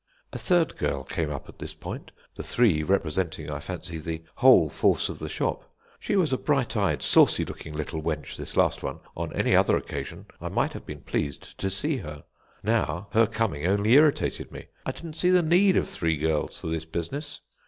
"A third girl came up at this point, the three representing, I fancy, the whole force of the shop. She was a bright eyed, saucy looking little wench, this last one. On any other occasion I might have been pleased to see her; now, her coming only irritated me. I didn't see the need of three girls for this business.